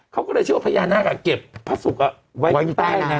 เขาก็ชื่ออภญาณาจะเก็บพระศูกรถไว้ใต้น้ำ